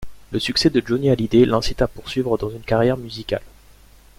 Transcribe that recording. Le succès de Johnny Hallyday l'incite à poursuivre dans une carrière musicale.